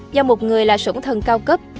do một người là sủng thân cao cấp